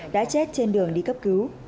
đã chết trên đường đi cấp cứu